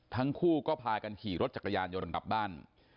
ทั้งคู่ก็พากันขี่รถจักรยานยนต์กลับบ้าน